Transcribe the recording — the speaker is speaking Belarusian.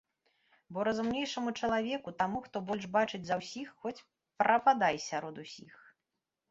Бо разумнейшаму чалавеку, таму, хто больш бачыць за ўсіх, хоць прападай сярод усіх.